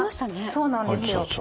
そうなんですよ。